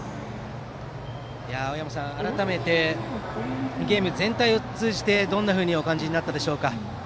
青山さん、改めてこのゲーム全体を通じてどんなふうにお感じになったでしょうか？